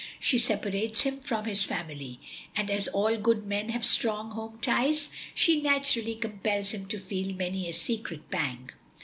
She separates him from his family, and as all good men have strong home ties, she naturally compels him to feel many a secret pang."